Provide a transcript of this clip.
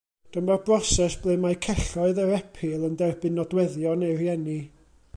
Dyma'r broses ble mae celloedd yr epil yn derbyn nodweddion ei rieni.